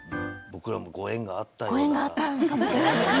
ご縁があったのかもしれないですね。